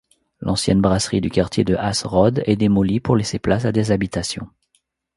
L'ancienne brasserie du quartier de Hasserode est démolie pour laisser place à des habitations.